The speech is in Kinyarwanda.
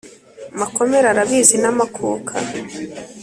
makomere arabizi, na makuka